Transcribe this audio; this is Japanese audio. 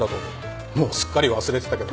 もうすっかり忘れてたけど